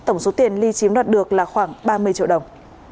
tổng số tiền li chiếm đoạt được là khoảng ba mươi triệu đồng